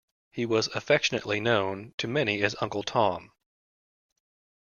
He was affectionately known to many as Uncle Tom.